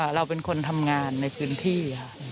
เราเป็นคนทำงานในพื้นที่ค่ะ